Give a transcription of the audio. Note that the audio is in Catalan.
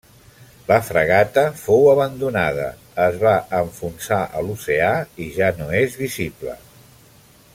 La fragata fou abandonada, es va enfonsar a l'oceà i ja no és visible.